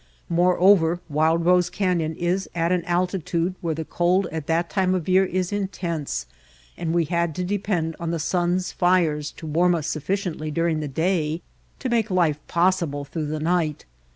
More over Wild Rose Canyon is at an altitude where the cold at that time of year is intense, and we had to depend on the sun's fires to warm us sufficiently during the day to make life possible through the night.